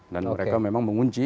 dan mereka memang mengunci